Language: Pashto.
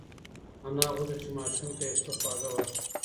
انا غوښتل چې ماشوم ته یو څه خواږه ورکړي.